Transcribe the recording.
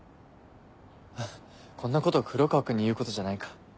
こんなこと黒川君に言うことじゃないか。